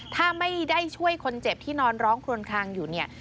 ถ้าไม่ได้ช่วยคนเจ็บที่นอนร้องโครงครังอยู่